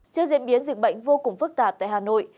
trước diễn biến dịch bệnh vô cùng phức tạp tại hà nội